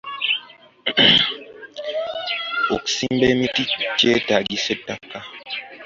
Okusimba emiti kyetaagisa ettaka.